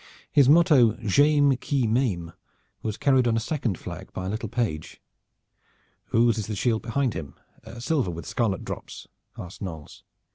His motto "J'ayme qui m'ayme" was carried on a second flag by a little page. "Whose is the shield behind him silver with scarlet drops?" asked Knolles.